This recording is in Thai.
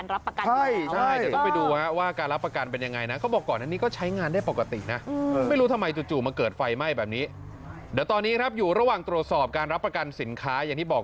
ลัดมุงจรตู้เย็นไหม้อะไรแบบนั้น